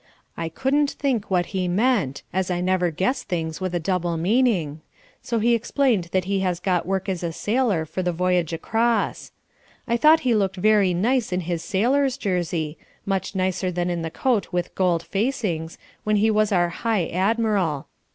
I couldn't think what he meant, as I never guess things with a double meaning, so he explained that he has got work as a sailor for the voyage across. I thought he looked very nice in his sailor's jersey, much nicer than in the coat with gold facings, when he was our High Admiral.